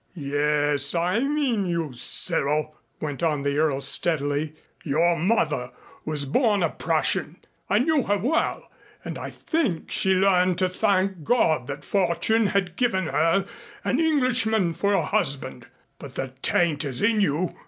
"Yes, I mean you, Cyril," went on the Earl steadily. "Your mother was born a Prussian. I knew her well and I think she learned to thank God that fortune had given her an Englishman for a husband. But the taint is in you.